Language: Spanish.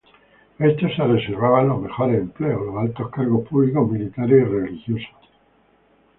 Estos se reservaban los mejores empleos, los altos cargos públicos, militares y religiosos.